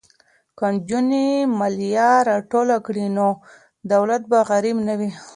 که نجونې مالیه راټوله کړي نو دولت به غریب نه وي.